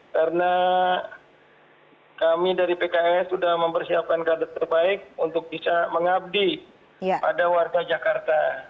karena kami dari pks sudah mempersiapkan kredit terbaik untuk bisa mengabdi pada warga jakarta